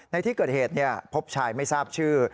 ในที่เกิดเหตุพบชายไม่ทราบชื่อ